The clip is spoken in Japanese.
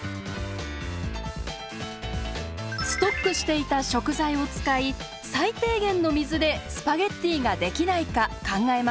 ストックしていた食材を使い最低限の水でスパゲッティができないか考えました。